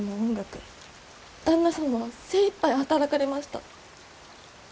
旦那様は精いっぱい働かれました。